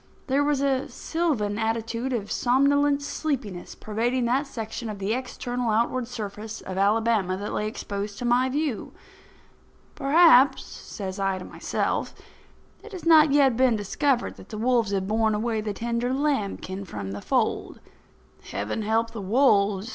There was a sylvan attitude of somnolent sleepiness pervading that section of the external outward surface of Alabama that lay exposed to my view. "Perhaps," says I to myself, "it has not yet been discovered that the wolves have borne away the tender lambkin from the fold. Heaven help the wolves!"